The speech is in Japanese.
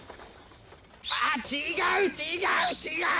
違う違う違う！